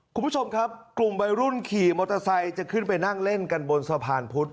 คุณผู้ชมครับกลุ่มวัยรุ่นขี่มอเตอร์ไซค์จะขึ้นไปนั่งเล่นกันบนสะพานพุธ